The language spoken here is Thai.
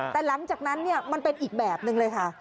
แต่หลังจากนั้นมันเป็นอีกแบบนึงเลยค่ะ